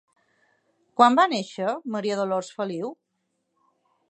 Quan va néixer Maria Dolors Feliu?